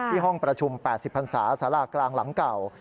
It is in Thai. ห้องประชุม๘๐พันศาสารากลางหลังเก่า